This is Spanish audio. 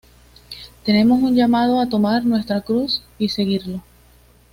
Tenemos un llamado a tomar nuestra cruz y seguirlo.